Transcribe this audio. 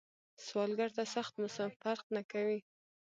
سوالګر ته سخت موسم فرق نه کوي